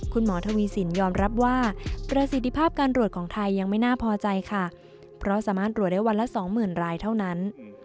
คุณหมอทวีสินยอมรับว่าประสิทธิภาพการตรวจของไทยยังไม่น่าพอใจค่ะเพราะสามารถตรวจได้วันละสองหมื่นรายเท่านั้น